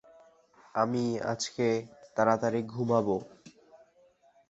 বিজ্ঞানী নিউটন সর্বপ্রথম মহাকর্ষ বলের গাণিতিক ব্যাখ্যা প্রদান করেন।